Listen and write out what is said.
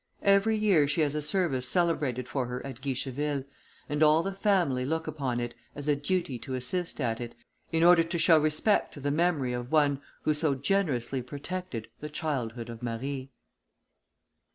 Every year she has a service celebrated for her at Guicheville, and all the family look upon it as a duty to assist at it, in order to show respect to the memory of one who so generously protected the childhood of Marie.